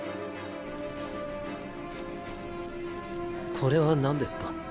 これはなんですか？